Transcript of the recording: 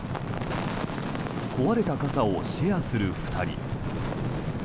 壊れた傘をシェアする２人。